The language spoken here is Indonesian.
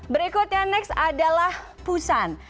berikutnya next adalah busan